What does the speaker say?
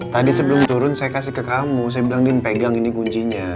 tadi sebelum turun saya kasih ke kamu saya bilang dia megang ini kuncinya